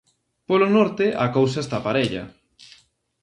Polo norte a cousa está parella.